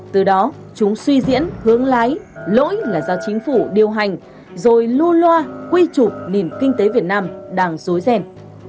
từ đó chúng suy diễn hướng lái lỗi là do chính phủ điều hành rồi lua loa quy trục niềm kinh tế việt nam đang dối rèn